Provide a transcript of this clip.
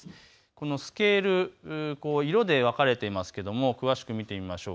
このスケール、色で分かれていますが詳しく見てみましょう。